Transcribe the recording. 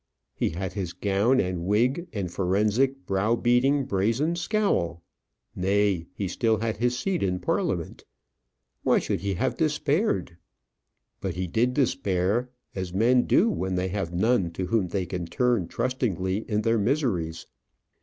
He had his gown and wig, and forensic brow beating, brazen scowl; nay, he still had his seat in Parliament. Why should he have despaired? But he did despair as men do when they have none to whom they can turn trustingly in their miseries.